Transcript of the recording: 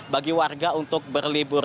bagi warga untuk berlibur